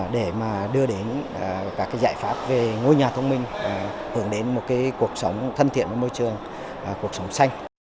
để mà đưa đến các giải pháp về ngôi nhà thông minh hưởng đến một cuộc sống thân thiện với môi trường cuộc sống xanh